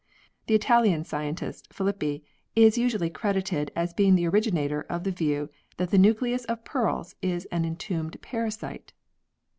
The Italian scientist, Filippi, is usually credited as being the originator of the view that the nucleus of pearls is an entombed parasite.